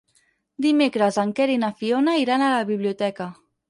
Dimecres en Quer i na Fiona iran a la biblioteca.